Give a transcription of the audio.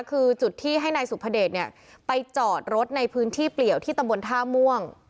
คือจุดที่ให้นายสุภเดชเนี่ยไปจอดรถในพื้นที่เปลี่ยวที่ตำบลท่าม่วง